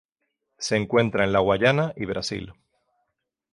Se encuentra en la Guayana y Brasil.